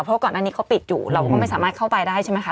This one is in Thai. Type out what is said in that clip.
เพราะก่อนอันนี้เขาปิดอยู่เราก็ไม่สามารถเข้าไปได้ใช่ไหมคะ